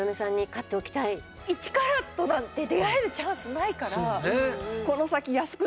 １カラットなんて出会えるチャンスないから。